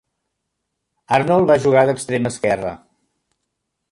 Arnold va jugar d'extrem esquerre.